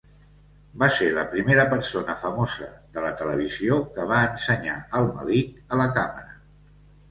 Va ser la primera persona famosa de la televisió que va ensenyar el melic a la càmera.